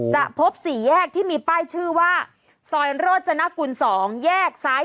จะพบ๔แยกที่มีป้ายชื่อว่าซอยโรจนกุล๒แยกซ้าย